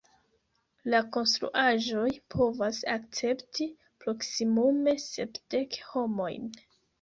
La konstruaĵoj povas akcepti proksimume sepdek homojn.